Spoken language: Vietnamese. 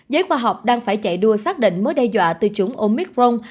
giới khoa học đang phải chạy đua xác định mối đe dọa từ chủng omicron